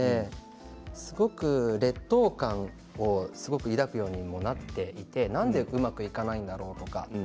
すごく劣等感を抱くようになってきてなんでうまくいかないんだろうとか。